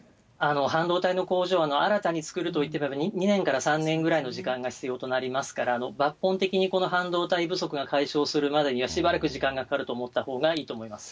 半導体の工場を新たに作るといっても２年から３年ぐらいの時間が必要となりますから、抜本的にこの半導体不足が解消するまでには、しばらく時間がかかると思ったほうがいいと思います。